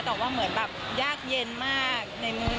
แต่ว่าเหมือนแบบยากเย็นมากในมือ